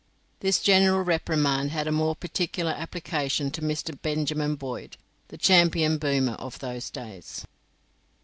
This general reprimand had a more particular application to Mr. Benjamin Boyd, the champion boomer of those days.